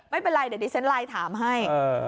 ไม่เป็นไรเดี๋ยวดิฉันไลน์ถามให้